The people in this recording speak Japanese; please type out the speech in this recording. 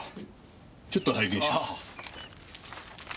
ちょっと拝見します。